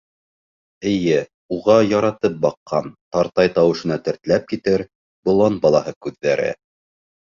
Эйе, уға яратып баҡҡан, тартай тауышына тертләп китер болан балаһы күҙҙәре.